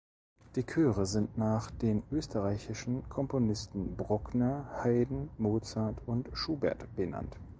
Die Chöre sind nach den österreichischen Komponisten Bruckner, Haydn, Mozart und Schubert benannt.